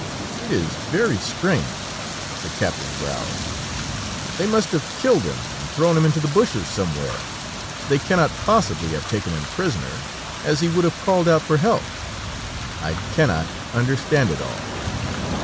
"It is very strange," the captain growled. "They must have killed him and thrown him into the bushes somewhere; they cannot possibly have taken him prisoner, as he would have called out for help. I cannot understand it all."